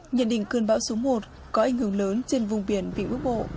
nhận định cơn bão số một có ảnh hưởng lớn trên vùng biển vịnh bắc bộ